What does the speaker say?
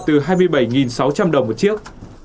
từ hai mươi bảy sáu trăm linh đồng một chiếc